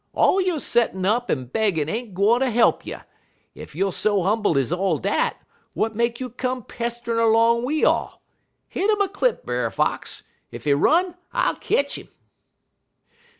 All yo' settin' up en beggin' ain't gwine ter he'p you. Ef youer so humble ez all dat, w'at make you come pesterin' longer we all? Hit 'im a clip, Brer Fox! Ef he run, I'll ketch 'im!'